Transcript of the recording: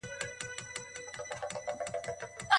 فساد کوونکی بايد سزا وگوري.